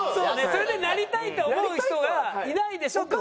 それでなりたいって思う人がいないでしょって事ね。